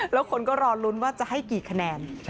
แล้วคนก็รอลุ้นว่าจะให้กี่คะแนน